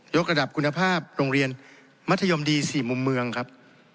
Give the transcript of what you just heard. กระดับคุณภาพโรงเรียนมัธยมดี๔มุมเมืองครับ